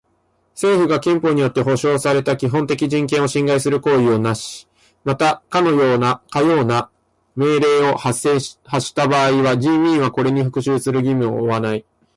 政府が憲法によって保障された基本的人権を侵害する行為をなし、またかような命令を発した場合は人民はこれに服従する義務を負わない。